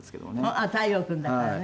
「あっ太陽君だからね」